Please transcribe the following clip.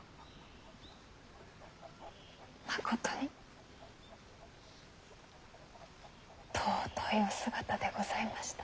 まことに尊いお姿でございました。